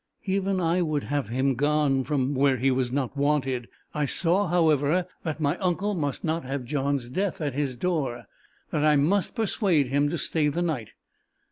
Even I would have him gone from where he was not wanted! I saw, however, that my uncle must not have John's death at his door that I must persuade him to stay the night.